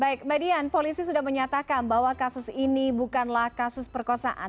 baik mbak dian polisi sudah menyatakan bahwa kasus ini bukanlah kasus perkosaan